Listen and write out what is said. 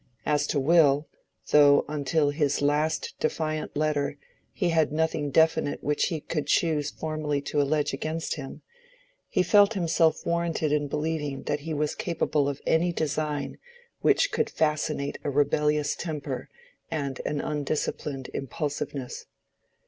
As to Will, though until his last defiant letter he had nothing definite which he would choose formally to allege against him, he felt himself warranted in believing that he was capable of any design which could fascinate a rebellious temper and an undisciplined impulsiveness.